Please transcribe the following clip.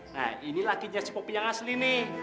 nah ini lakinya si popi yang asli nih